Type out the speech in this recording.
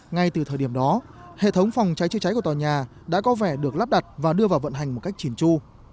ngay từ thời điểm đó hệ thống phòng cháy chữa cháy của tòa nhà đã có vẻ được lắp đặt và đưa vào vận hành một cách chỉn chu